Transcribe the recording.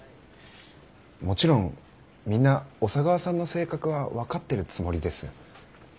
もちろんみんな小佐川さんの性格は分かってるつもりです。